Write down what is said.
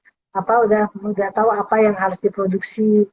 sudah tahu apa yang harus diproduksi